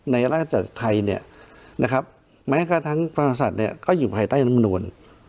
ในร่างจากไทยเนี่ยนะครับแม้กระทั้งประธานสัตว์เนี่ยก็อยู่ภายใต้น้ำนูน